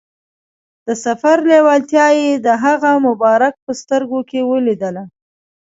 د سفر لیوالتیا یې د هغه مبارک په سترګو کې ولیدله.